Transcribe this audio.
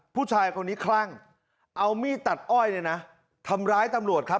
ผู้ชายคนนี้คลั่งเอามีดตัดอ้อยเนี่ยนะทำร้ายตำรวจครับ